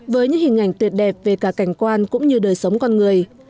với những hình ảnh tuyệt đẹp về cả cảnh quan cũng như đời sống con người